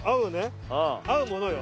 うものよ？